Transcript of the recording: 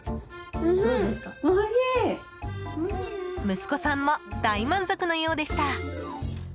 息子さんも大満足のようでした。